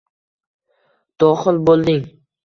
Doxil bo’lding